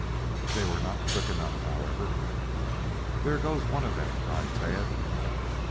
They were not quick enough, however. "There goes one of them!" cried Tad.